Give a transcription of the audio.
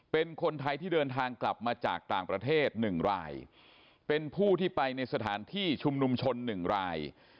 เป็นคนไทยที่เดินทางกลับมาจากต่างประเทศ๑รายเป็นผู้ที่ไปในสถานที่ชุมนุมชน๑ราย